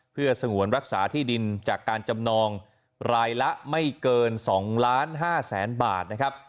เพื่อสงวนรักษาที่ดินจากการจำนองรายละไม่เกิน๒๕๐๐๐๐บาทนะครับ